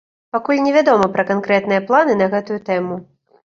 Пакуль невядома пра канкрэтныя планы на гэтую тэму.